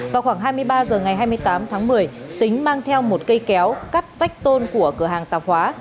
vào khoảng hai mươi ba h ngày hai mươi tám tháng một mươi tính mang theo một cây kéo cắt vách tôn của cửa hàng tạp hóa